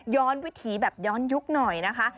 วิถีแบบย้อนยุคหน่อยนะคะ